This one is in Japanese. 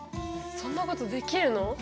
そんなことできるの？